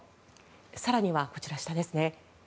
更にはこちら、下ですね。